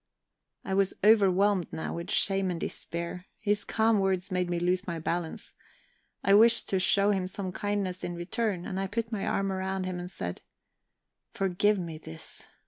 I was overwhelmed now with shame and despair; his calm words made me lose my balance. I wished to show him some kindness in return, and I put my arm round him, and said: "Forgive me this!